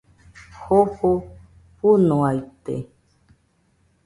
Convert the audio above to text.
Jofo fɨnoaite